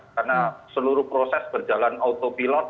karena seluruh proses berjalan autopilot